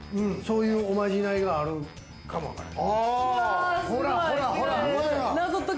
ういうおまじないがあるかもわからん。